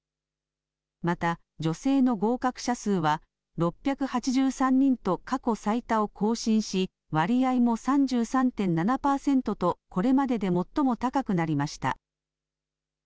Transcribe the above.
また、女性の合格者数は６８３人と過去最多を更新し割合も３３．７パーセントとこれまでで最も高くなりました。